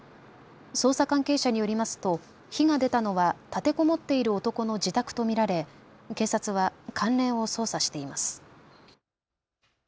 捜査関係者によりますと火が出たのは立てこもっている男の自宅と見られ警察は関連を捜査しています。